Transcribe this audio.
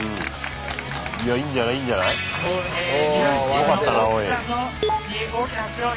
よかったなおい。